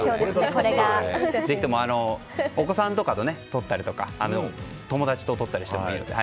ぜひともお子さんとかと撮ったり友達と撮ったりしてもいいということで。